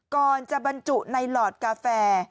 ก่อนจะบรรจุในหลอดกาแฟ